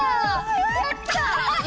やった！